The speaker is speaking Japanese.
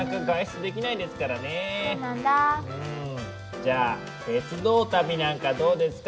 じゃあ鉄道旅なんかどうですか？